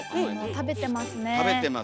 食べてます。